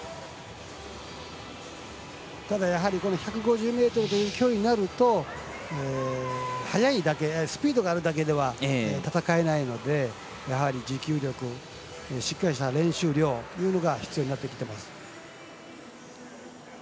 ただ、やはり１５０ｍという距離になるとスピードがあるだけでは戦えないので、やはり持久力しっかりした練習量が必要になってきてます。